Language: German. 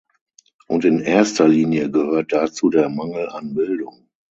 Und in erster Linie gehört dazu der Mangel an Bildung.